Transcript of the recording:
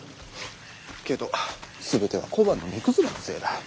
けどすべては小判の値崩れのせいだ。